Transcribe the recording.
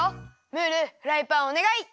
ムールフライパンおねがい。